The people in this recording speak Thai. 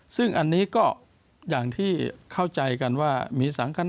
ซึ่งอันนี้ก็อย่างที่เข้าใจกันว่า